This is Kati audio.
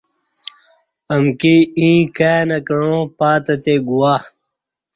امکی ییں کائ نہ کعاں پاتہتے گواہ